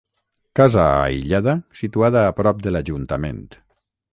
Casa aïllada situada a prop de l'ajuntament.